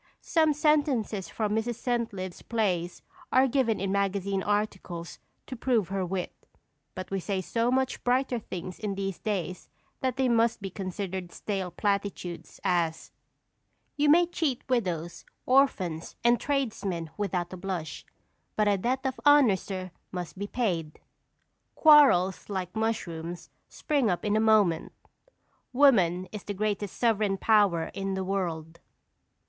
Some sentences from Mrs. Centlivre's plays are given in magazine articles to prove her wit, but we say so much brighter things in these days that they must be considered stale platitudes, as: "You may cheat widows, orphans, and tradesmen without a blush, but a debt of honor, sir, must be paid." "Quarrels, like mushrooms, spring up in a moment." "Woman is the greatest sovereign power in the world."